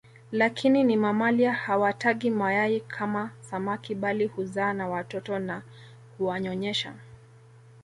Lakini ni mamalia hawatagi mayai kama samaki bali huzaa na watoto na huwanyonyesha